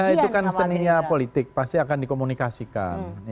ya itu kan seninya politik pasti akan dikomunikasikan